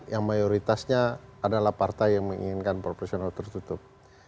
yang mayoritasnya adalah partai yang menginginkan proporsional tertutup